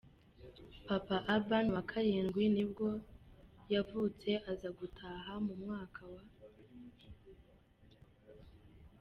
Papa Urban wa karindwi nibwo yavutse aza gutaha mu mwaka w’.